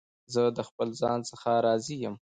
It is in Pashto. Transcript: زه د خپل ځان څخه راضي یم.